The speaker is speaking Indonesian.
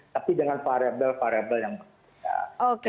tapi dengan variabel variabel yang baik